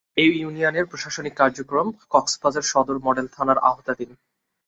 এ ইউনিয়নের প্রশাসনিক কার্যক্রম কক্সবাজার সদর মডেল থানার আওতাধীন।